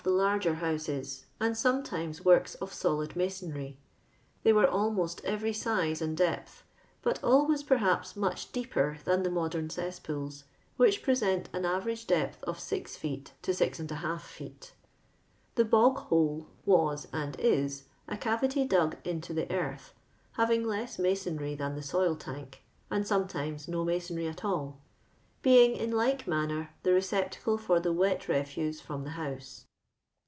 the larger hotwcs and sometimes works of solid masonry ; tlicy were almost every size and depth, but always perhaps much deeper llian the modem ressporils, 'whicli pi csent an average di i)th of 0 feet to G^ feet. The ^* l>of;: hnle" was, and is, a cavity dug into the earth, lia\4ng less masonry tlian the Roil Uuik, and soinetimos no masonry at all. being in like mimnor the recoi)tacle for the wet refuse from tho house.